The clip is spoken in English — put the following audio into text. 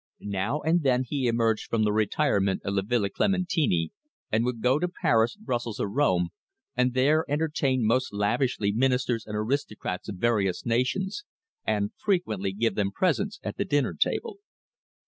Now and then he emerged from the retirement of the Villa Clementini and would go to Paris, Brussels, or Rome, and there entertain most lavishly Ministers and aristocrats of various nations, and frequently give them presents at the dinner table.